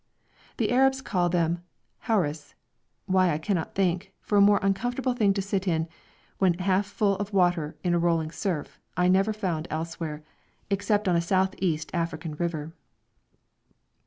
The Arabs call them 'houris' why, I cannot think for a more uncomfortable thing to sit in, when half full of water in a rolling surf, I never found elsewhere, except on a South East African river.